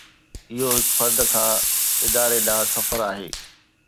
اهو هڪ فرد کان اداري ڏانهن سفر آهي.